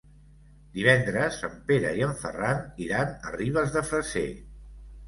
Divendres en Pere i en Ferran iran a Ribes de Freser.